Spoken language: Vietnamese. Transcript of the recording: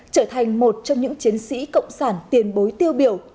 trở thành một trong những chiến sĩ cộng sản tiền bối tiêu biểu